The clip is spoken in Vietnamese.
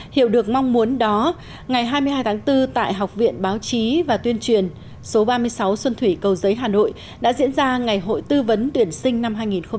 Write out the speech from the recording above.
hiểu được mong muốn đó ngày hai mươi hai tháng bốn tại học viện báo chí và tuyên truyền số ba mươi sáu xuân thủy cầu giấy hà nội đã diễn ra ngày hội tư vấn tuyển sinh năm hai nghìn hai mươi